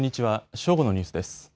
正午のニュースです。